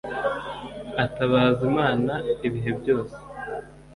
atabaza Imana ibihe byose